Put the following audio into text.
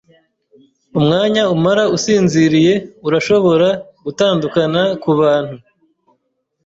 Umwanya umara usinziriye urashobora gutandukana kubantu.